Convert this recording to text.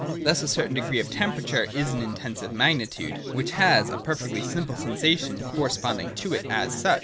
Thus a certain degree of temperature is an Intensive magnitude, which has a perfectly simple sensation corresponding to it as such.